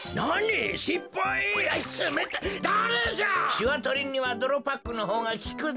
しわとりにはどろパックのほうがきくぞ！